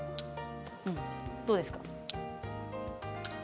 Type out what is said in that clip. どうですか？